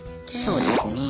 そうですね。